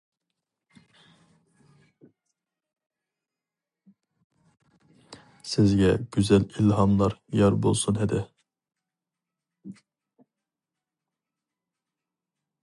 سىزگە گۈزەل ئىلھاملار يار بولسۇن ھەدە!